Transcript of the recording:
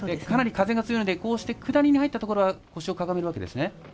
かなり風が強いので下りに入ったところは腰をかがめるわけですね。